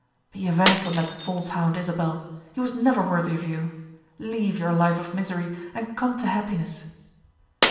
"Be avenged on that false hound, Isabel. He was never worthy of you. Leave your life of misery, and come to happiness."